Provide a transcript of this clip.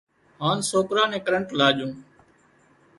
هانَ سوڪرا نين ڪرنٽ لاڄون